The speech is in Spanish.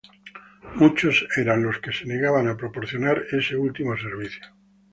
Muchos eran los que se negaban a proporcionar ese último servicio.